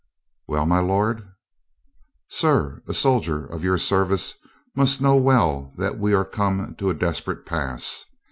"Well, my lord?" "Sir, a soldier of your service must know well that we are come to a desperate pass.